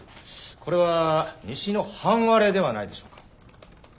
これは西の半割れではないでしょうか？